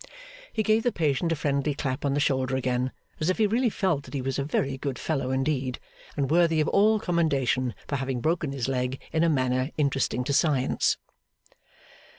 He gave the patient a friendly clap on the shoulder again, as if he really felt that he was a very good fellow indeed, and worthy of all commendation for having broken his leg in a manner interesting to science.